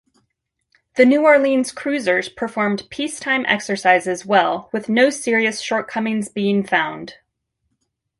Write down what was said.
The "New Orleans" cruisers performed peacetime exercises well with no serious shortcomings being found.